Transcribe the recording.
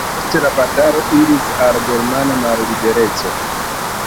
Post la batalo iris al germana mallibereco.